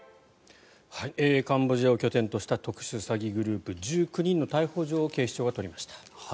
カンボジアを拠点とした特殊詐欺グループ１９人の逮捕状を警視庁が取りました。